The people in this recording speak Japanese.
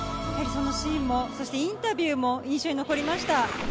そのシーンもインタビューも印象に残りました。